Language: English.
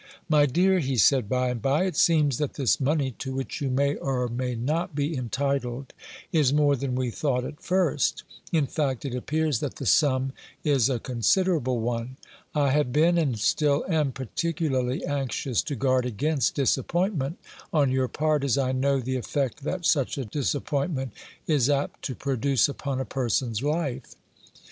"My dear," he said by and by, "it seems that this money to which you may or may not be entitled is more than we thought at first; in fact, it appears that the sum is a considerable one. I have been, and still am, particularly anxious to guard against disappointment on your part, as I know the effect that such a disappointment is apt to produce upon a person's life.